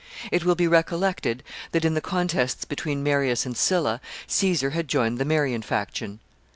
It will be recollected that, in the contests between Marius and Sylla, Caesar had joined the Marian faction.